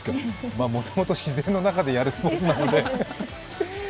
もともと自然の中でやるスポーツなので。